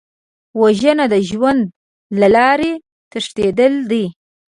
وژنه د ژوند له لارې تښتېدل دي